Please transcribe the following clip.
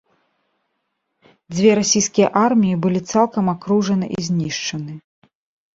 Дзве расійскія арміі былі цалкам акружаны і знішчаны.